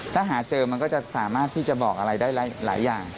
ถ้าหาเจอมันก็จะสามารถที่จะบอกอะไรได้หลายอย่าง